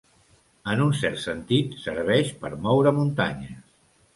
En un cert sentit, serveix per moure muntanyes.